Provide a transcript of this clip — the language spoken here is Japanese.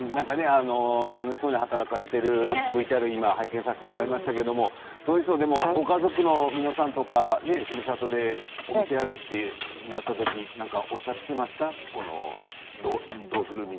楽しそうに働かれているＶＴＲを拝見させていただきましたけれどもご家族の皆さんとかふるさとでお店をやるとなったとき何か、おっしゃっていました？